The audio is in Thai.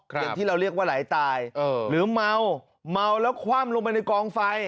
อย่างที่เราเรียกว่าไหลตายหรือเมาเมาแล้วคว่ำลงไปในกองไฟ